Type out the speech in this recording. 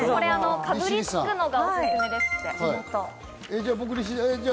これ、かぶりつくのがおすすめですって。